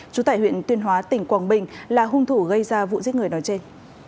chú tại huyện tuyên hóa tỉnh quảng bình là hung thủ gây ra vụ giết người đó trên